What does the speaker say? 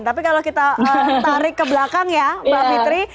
tapi kalau kita tarik ke belakang ya mbak fitri